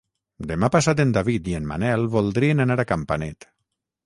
Demà passat en David i en Manel voldrien anar a Campanet.